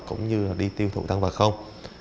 cũng như là đi tiêu thụ tăng vật không